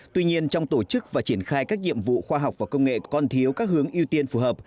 tuy nhiên trong tổ chức và triển khai các nhiệm vụ khoa học và công nghệ còn thiếu các hướng ưu tiên phù hợp